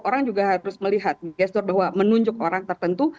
orang juga harus melihat gestur bahwa menunjuk orang tertentu